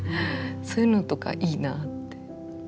そういうのとかいいなって思いますね。